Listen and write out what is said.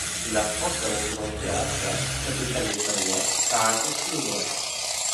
La France est représentée à Apia, capitale des Samoa, par un consul honoraire.